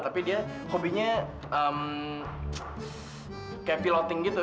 tapi dia hobinya kayak piloting gitu